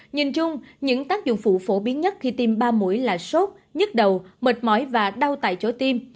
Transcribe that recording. nhìn chung những tác dụng phụ phổ biến nhất khi tiêm ba mũi là sốt nhức đầu mệt mỏi và đau tại chỗ tim